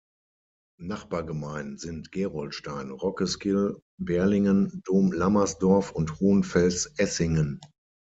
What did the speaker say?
Nachbargemeinden sind Gerolstein, Rockeskyll, Berlingen, Dohm-Lammersdorf und Hohenfels-Essingen.